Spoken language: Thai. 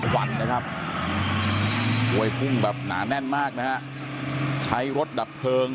วันนะครับมวยพุ่งแบบหนาแน่นมากนะฮะใช้รถดับเพลิง